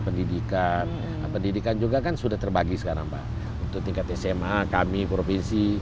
pendidikan pendidikan juga kan sudah terbagi sekarang pak untuk tingkat sma kami provinsi